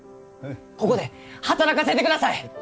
ここで働かせてください！